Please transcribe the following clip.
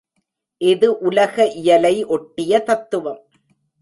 இது உலக இயலை ஒட்டிய தத்துவம்.